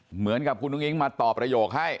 เหมือนกับคุณอุ้งอิ๊งมาตอบประโยคให้